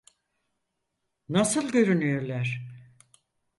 Nasıl görünüyorlar?